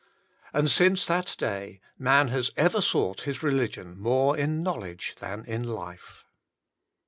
And since that day man has ever sought his religion more in knowledge than in life.